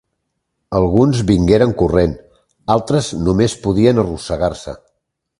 Alguns vingueren corrent, altres només podien arrossegar-se.